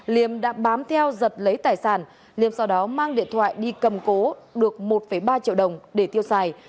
liêm đã bám theo giật lấy tài sản liêm sau đó mang điện thoại đi cầm cố được một ba triệu đồng để tiêu xài